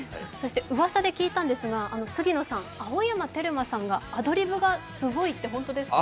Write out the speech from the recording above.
うわさで聞いたんですが、杉野さん、青山テルマさんがアドリブがすごいって。